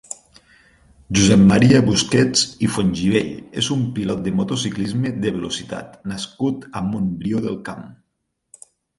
Josep Maria Busquets i Fontgibell és un pilot de motociclisme de velocitat nascut a Montbrió del Camp.